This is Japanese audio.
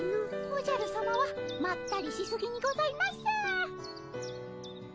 おじゃるさまはまったりしすぎにございます。